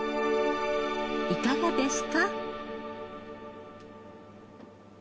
いかがですか？